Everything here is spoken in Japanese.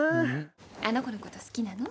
あの子のこと好きなの？